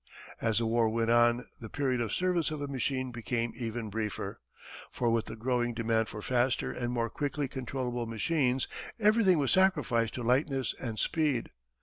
As the war went on the period of service of a machine became even briefer, for with the growing demand for faster and more quickly controllable machines everything was sacrificed to lightness and speed.